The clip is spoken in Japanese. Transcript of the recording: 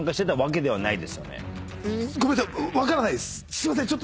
すいません。